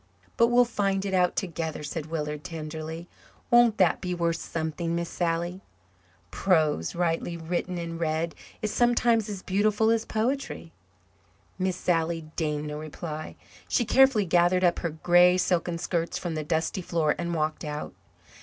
"But we'll find it out together," said Willard tenderly. "Won't that be worth something, Miss Sally? Prose, rightly written and read, is sometimes as beautiful as poetry." Miss Sally deigned no reply. She carefully gathered up her grey silken skirts from the dusty floor and walked out.